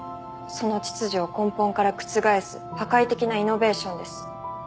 その秩序を根本から覆す破壊的なイノベーションです。